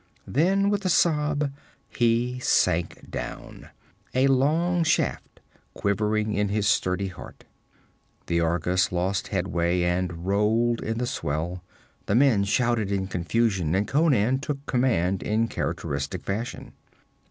Then with a sob he sank down, a long shaft quivering in his sturdy heart. The Argus lost headway and rolled in the swell. The men shouted in confusion, and Conan took command in characteristic fashion.